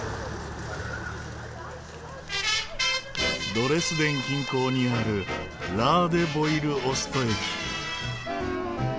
ドレスデン近郊にあるラーデボイル・オスト駅。